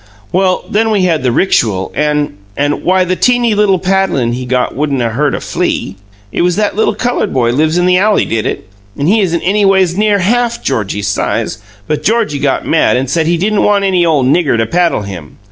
Well, then we had the rixual, and and why, the teeny little paddlin' he got wouldn't hurt a flea! It was that little coloured boy lives in the alley did it he isn't anyways near HALF Georgie's size but Georgie got mad and said he didn't want any ole nigger to paddle him.